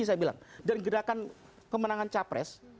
saya bilang dan gerakan pemenangan cawapres